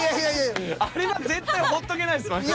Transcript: あれは絶対ほっとけないです。